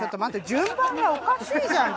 順番がおかしいじゃんこれ。